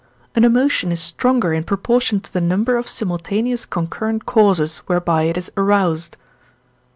An emotion is stronger in proportion to the number of simultaneous concurrent causes whereby it is aroused.